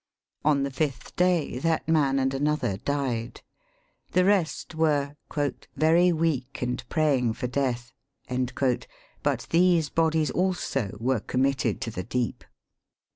On the fifth day, that man and another died. The rest were ''very weak and praying for death;" but these bodies also, were committed to the deep.